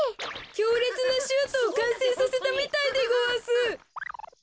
きょうれつなシュートをかんせいさせたみたいでごわす。